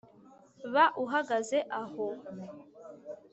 Ba uhagaze aho